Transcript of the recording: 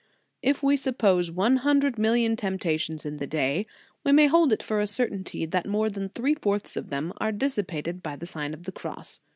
If we suppose one hundred million temptations in the day, we may hold it for a certainty that more than three fourths of them are dissipated by the Sign of the Cross.